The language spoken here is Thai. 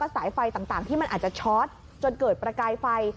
สายไฟต่างที่มันอาจจะช็อตจนเกิดประกายไฟ